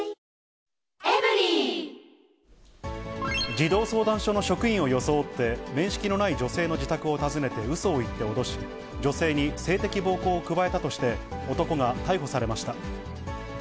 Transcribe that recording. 児童相談所の職員を装って、面識のない女性の自宅を訪ねてうそを言って脅し、女性に性的暴行を加えたとして男が逮捕されました。